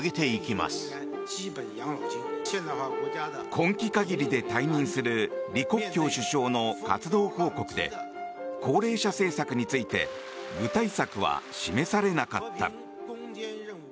今季限りで退任する李克強首相の活動報告で高齢者政策について具体策は示されなかった。